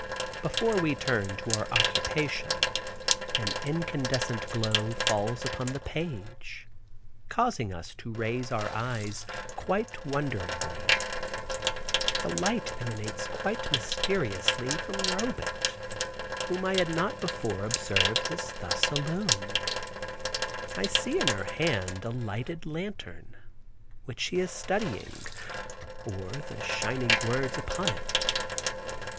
Before we turn to our occupation, an incandescent glow falls upon the page, causing us to raise our eyes quite wonderingly. The light emanates quite mysteriously from Robet, whom I had not before observed as thus illumined. I see in her hand a lighted lantern, which she is studying, or the shining words upon it.